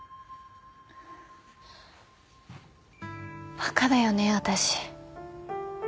バカだよね私。